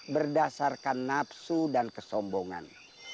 berdasarkan nafsu dan kesombongan